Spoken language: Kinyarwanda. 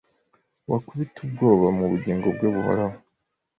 Wakubite ubwoba mubugingo bwe buhoraho